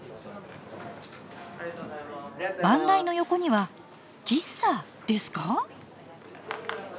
番台の横には喫茶ですか？